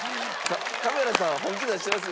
カメラさんは本気出してます。